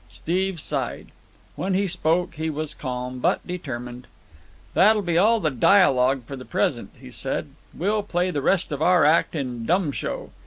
Steve sighed. When he spoke he was calm, but determined. "That'll be all the dialogue for the present," he said. "We'll play the rest of our act in dumb show.